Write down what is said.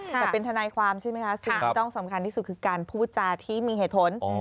แต่เป็นทนายความใช่ไหมคะสิ่งที่ต้องสำคัญที่สุดคือการพูดจาที่มีเหตุผล